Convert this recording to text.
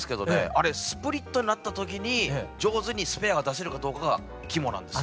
あれスプリットになった時に上手にスペアが出せるかどうかが肝なんですよ。